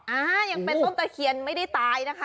อ่ายังเป็นต้นตะเคียนไม่ได้ตายนะคะ